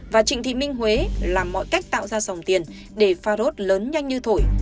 và trịnh thị minh huế làm mọi cách tạo ra dòng tiền để pharos lớn nhanh như thổi